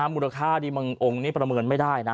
มูลค่าที่บางองค์นี้ประเมินไม่ได้นะ